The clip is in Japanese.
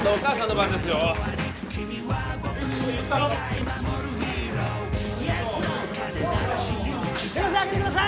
１２３・すいませんあけてください